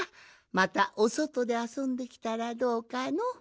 またおそとであそんできたらどうかの？